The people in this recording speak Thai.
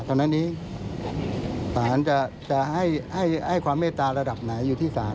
ตอนนั้นนี้ศาลจะให้ความเมตตาระดับไหนอยู่ที่ศาล